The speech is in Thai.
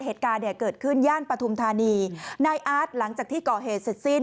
เหตุการณ์เนี่ยเกิดขึ้นย่านปฐุมธานีนายอาร์ตหลังจากที่ก่อเหตุเสร็จสิ้น